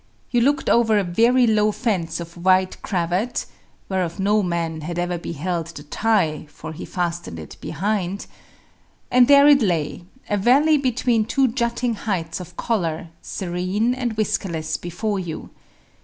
You looked over a very low fence of white cravat (whereof no man had ever beheld the tie, for he fastened it behind), and there it lay, a valley between two jutting heights of collar, serene and whiskerless before you.